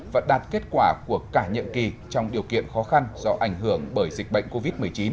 và đạt kết quả của cả nhiệm kỳ trong điều kiện khó khăn do ảnh hưởng bởi dịch bệnh covid một mươi chín